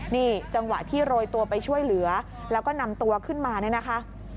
นี่จังหวะที่โรยตัวไปช่วยเหลือแล้วก็นำตัวขึ้นมาเนี่ยนะคะ